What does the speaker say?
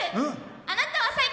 あなたは最強！